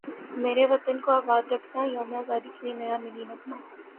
میرے وطن کو اباد رکھنایوم ازادی کے لیے نیا ملی نغمہ